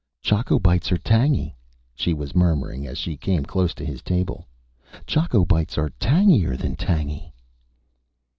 "Choco Bites are tangy," she was murmuring as she came close to his table. "Choco Bites are tangier than tangy!"